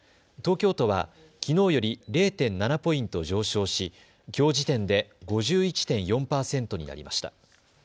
東京都はきのうより０．７ポイント上昇しきょう時点で５１．４％になりました。